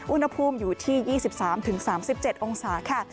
อุณหภูมิอยู่ที่๒๓๓๗องศาค่ะ